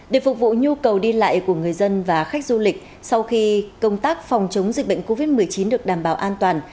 để phục vụ nhu cầu đi lại của người dân và khách du lịch sau khi công tác phòng chống dịch bệnh covid một mươi chín được đảm bảo an toàn